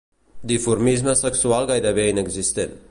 Dimorfisme sexual gairebé inexistent.